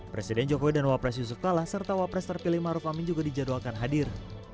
presiden jokowi dan wapres yusuf kala serta wapres terpilih maruf amin juga dijadwalkan hadir